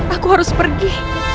aku harus pergi